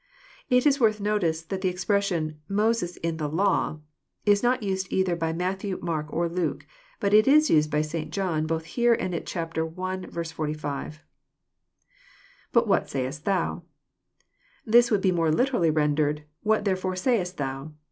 It is worth notice, that the expression, '< Moses in the law," is not nsed either by Matthew, Mark, or Luke. But it is used by St. John both here and at chap. i. 45. [JBtrt wTMt sayest thou ?] This would be more literally ren dered, "What therefore sayest thou?"